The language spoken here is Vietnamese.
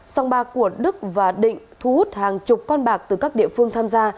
sòng bạc của đức và định thu hút hàng chục con bạc từ các địa phương tham gia